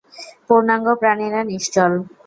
পূর্ণাঙ্গ প্রাণীরা নিশ্চল।